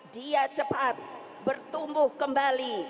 dia cepat bertumbuh kembali